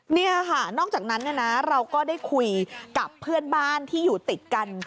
นี่ค่ะนอกจากนั้นเราก็ได้คุยกับเพื่อนบ้านที่อยู่ติดกัน